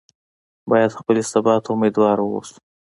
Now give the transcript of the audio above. باید خپلې سبا ته امیدواره واوسو.